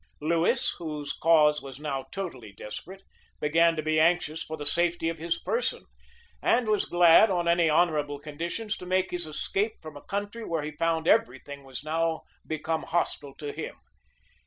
Lewis, whose cause was now totally desperate, began to be anxious for the safety of his person, and was glad, on any honorable conditions, to make his escape from a country where he found every thing was now become hostile to him.